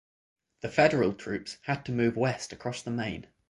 The federal troops had to move west across the Main.